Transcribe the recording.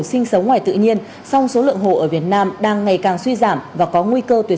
sinh sống ngoài tự nhiên song số lượng hồ ở việt nam đang ngày càng suy giảm và có nguy cơ tuyệt